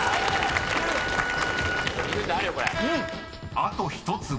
［あと１つは？］